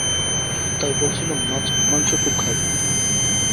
তাই বলছিলুম, মাছ-মাংস খুব খাবি।